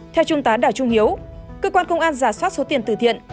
theo trung tá đảo trung hiếu cơ quan công an giả soát số tiền từ thiện